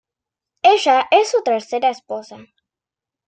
Ella es su tercera esposa.